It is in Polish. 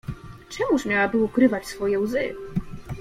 Czemuż miałaby ukrywać swoje łzy?